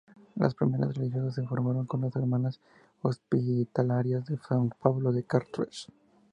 Las primeras religiosas se formaron con las Hermanas Hospitalarias de San Pablo de Chartres.